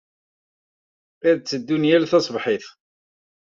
Ad tteddun yal taṣebḥit.